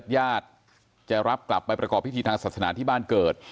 ญาติจะรับกลับไปประกอบพิธีทางศาสนาที่บ้านเกิด